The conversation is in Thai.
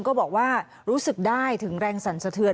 ก็บอกว่ารู้สึกได้ถึงแรงสั่นสะเทือน